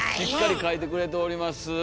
しっかり描いてくれております。